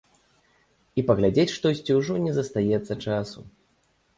І паглядзець штосьці ўжо не застаецца часу.